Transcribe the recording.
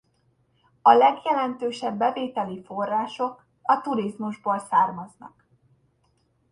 A legjelentősebb bevételi források a turizmusból származnak.